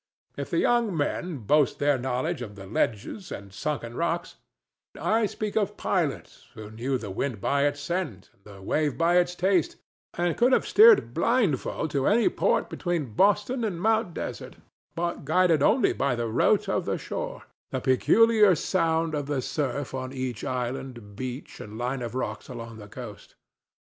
If the young men boast their knowledge of the ledges and sunken rocks, I speak of pilots who knew the wind by its scent and the wave by its taste, and could have steered blindfold to any port between Boston and Mount Desert guided only by the rote of the shore—the peculiar sound of the surf on each island, beach and line of rocks along the coast.